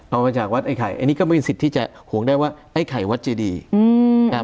เอามาจากวัดไอ้ไข่อันนี้ก็ไม่มีสิทธิ์ที่จะห่วงได้ว่าไอ้ไข่วัดเจดีอืมนะครับ